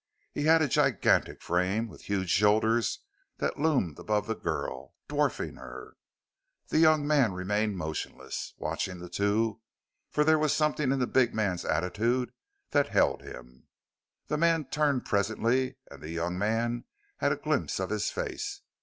He had a gigantic frame, with huge shoulders that loomed above the girl, dwarfing her. The young man remained motionless, watching the two, for there was something in the big man's attitude that held him. The man turned presently and the young man had a glimpse of his face.